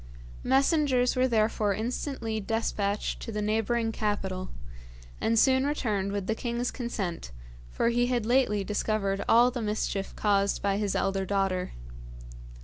Messengers were therefore instantly despatched to the neighbouring capital, and soon returned with the king's consent, for he had lately discovered all the mischief caused by his elder daughter.